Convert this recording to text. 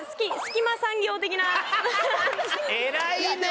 偉いね！